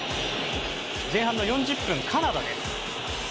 前半の４０分、カナダです。